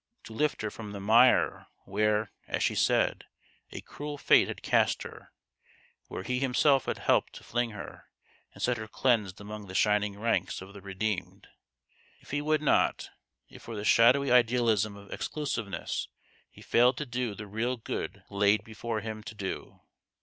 to lift her from the mire where, as she said, a cruel fate had cast her, and where he himself had helped to fling her, and set her cleansed among the shining ranks of the redeemed ! If he would not ! If for the shadowy idealism of exclusiveness he failed to do the real good laid before him to do